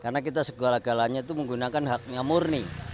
karena kita segala galanya itu menggunakan haknya murni